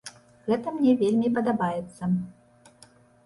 Гэта мне вельмі падабаецца.